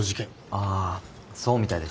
ああそうみたいですね。